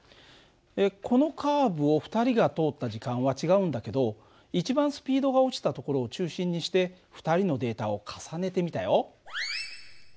このカーブを２人が通った時間は違うんだけど一番スピードが落ちたところを中心にして２人のデータを重ねてみたよ。